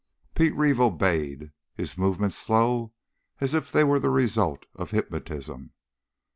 Pete Reeve obeyed, his movements slow, as if they were the result of hypnotism.